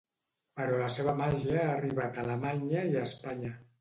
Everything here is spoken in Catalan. Però la seva màgia ha arribat a Alemanya i a Espanya.